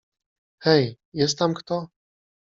Hej, jest tam kto?